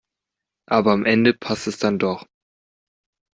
Aber am Ende passt es dann doch.